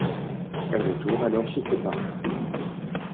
Elle retourne alors chez ses parents.